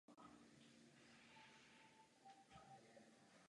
Museli by být opravdu vhodné podmínky a tím spíš nadbytek potravy.